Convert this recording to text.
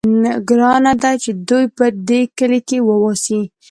ګرانه ده چې دوی په دې کلي کې واوسي.